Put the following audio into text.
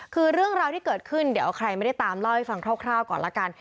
คือเรื่องราวที่เกิดขึ้นเดี๋ยวใครไม่ได้ตามเล่าให้ฟังคร่าวก่อนละกัน